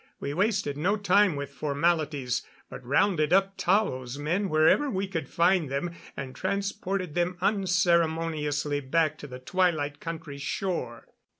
We wasted no time with formalities, but rounded up Tao's men wherever we could find them, and transported them unceremoniously back to the Twilight Country shore.